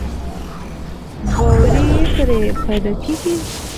باور يې پرې پيدا کېږي.